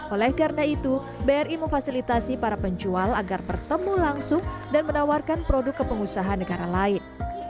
oleh karena itu bri memfasilitasi para penjual agar bertemu langsung dan menawarkan produk ke pengusaha negara lain